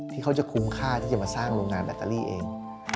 ที่เขาจะคุ้มค่าที่จะมาสร้างโรงงานแบตเตอรี่เอง